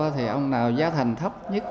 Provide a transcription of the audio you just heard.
thì ông nào giá thành thấp nhất